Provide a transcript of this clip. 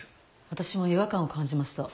私も違和感を感じました。